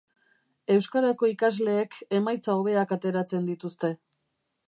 Euskarako ikasleek emaitza hobeak ateratzen dituzte.